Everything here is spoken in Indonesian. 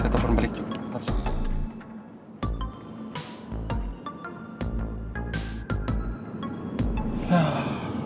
kita telpon balik jove terserah